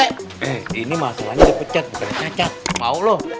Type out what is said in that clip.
eh ini masalahnya dipecat bukan cacat mau lo